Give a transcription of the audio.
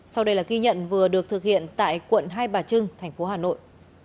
sau đây là ghi nhận vừa được thực hiện tại quận hai bà trưng thành phố hà nội